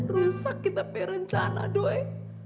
rusak kita perencana doe